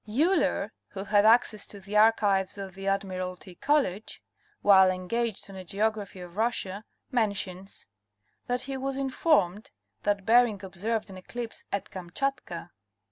DES Euler, who had access to the archives of the Admiralty Col lege, while engaged on a Geography of Russia, mentions (Philos. Trans., No. 482, p. 421) that he was informed that Bering observed an eclipse "at Kamchatka."